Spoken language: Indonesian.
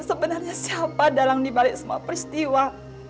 sebenarnya siapa adalah yang dibalik semua peristiwa